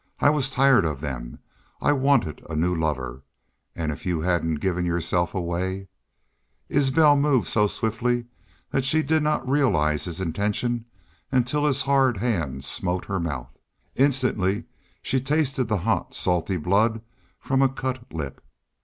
I was tired of them.... I wanted a new lover.... And if y'u hadn't give yourself away " Isbel moved so swiftly that she did not realize his intention until his hard hand smote her mouth. Instantly she tasted the hot, salty blood from a cut lip.